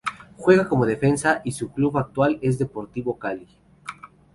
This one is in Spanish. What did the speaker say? Juega como defensa y su club actual es Deportivo Cali